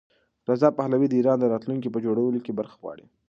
رضا پهلوي د ایران د راتلونکي په جوړولو کې برخه غواړي.